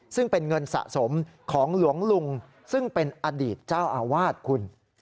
ซึ่งเป็นเงินสะสมของหลวงลุงซึ่งเป็นอดีตเจ้าอาวาสคุณ